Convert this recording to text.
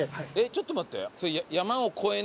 ちょっと待って。